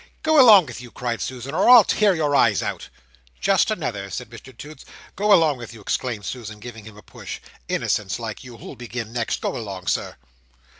"Go along with you!" cried Susan, "or Ill tear your eyes out." "Just another!" said Mr Toots. "Go along with you!" exclaimed Susan, giving him a push "Innocents like you, too! Who'll begin next? Go along, Sir!"